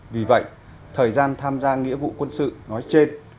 vì vậy thời gian tham gia nghĩa vụ quân sự nói trên